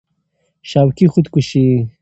شوقي خود کشي